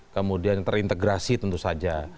kemudian terintegrasi tentu saja